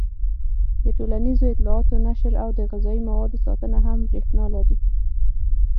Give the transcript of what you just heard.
د ټولنیزو اطلاعاتو نشر او د غذايي موادو ساتنه هم برېښنا لري.